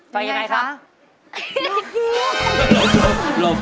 ฝึกอย่างไรครับ